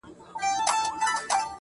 ستا جدايۍ ته به شعرونه ليکم.